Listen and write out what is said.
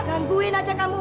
gangguin aja kamu